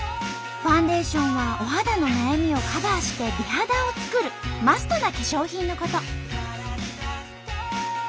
ファンデーションはお肌の悩みをカバーして美肌を作るマストな化粧品のこと。